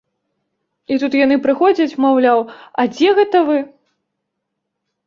А тут яны прыходзяць, маўляў, а дзе гэта вы?